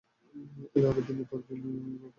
এইভাবে দিন পার করতে লাগিলাম।